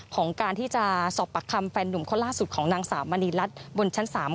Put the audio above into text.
ของการที่จะสอบปรักคามแฟนนมข้าวล่าสุดของนางสาวมณีรัฐบนชั้นสาม